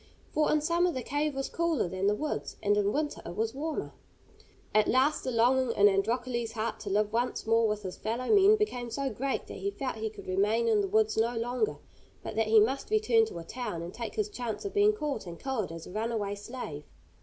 For in summer the cave was cooler than the woods, and in winter it was warmer. At last the longing in Androcles' heart to live once more with his fellow men became so great that he felt he could remain in the woods no longer, but that he must return to a town, and take his chance of being caught and killed as a runaway slave.